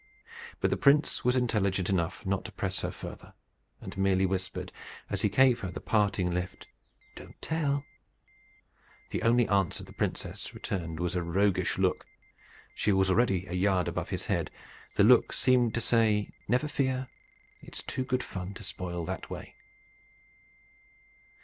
But the prince was intelligent enough not to press her further; and merely whispered, as he gave her the parting lift, "Don't tell." The only answer the princess returned was a roguish look. She was already a yard above his head. The look seemed to say, "Never fear. It is too good fun to spoil that way."